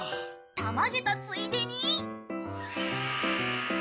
たまげたついでに。